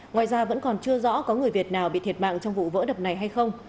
ngoài ra vẫn còn chưa rõ có người việt nào bị thiệt mạng trong vụ vỡ đập này hay không